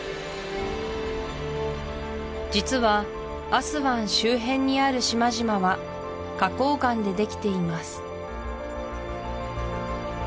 実はアスワン周辺にある島々は花崗岩でできています